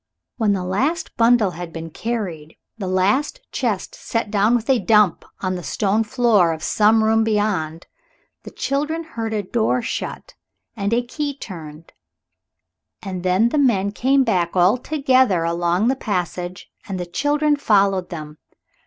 When the last bundle had been carried, the last chest set down with a dump on the stone floor of some room beyond, the children heard a door shut and a key turned, and then the men came back all together along the passage, and the children followed them.